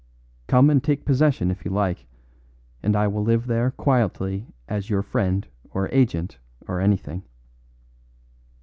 Come and take possession if you like, and I will live there quietly as your friend or agent or anything.